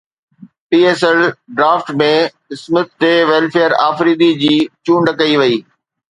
P S L draft ۾ Smith de Villiers Afridi جي چونڊ ڪئي وئي